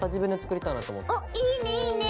おっいいねいいね。